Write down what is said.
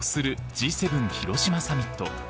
Ｇ７広島サミット。